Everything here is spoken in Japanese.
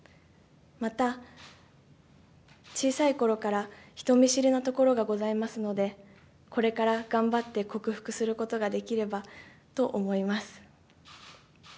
また、小さいころから人見知りなところがございますので、これから頑張って克服することができればと思います。